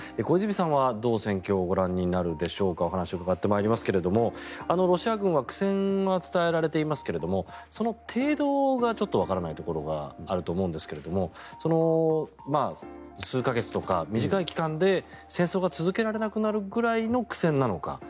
小泉さんは、どう戦況をご覧になるでしょうか。お話を伺ってまいりますけれどもロシア軍は苦戦が伝えられていますがその程度がちょっとわからないところがあると思うんですが数か月とか短い期間で戦争が続けられなくなるくらいの苦戦なのか。